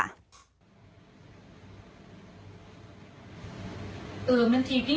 เออมันถีบจริง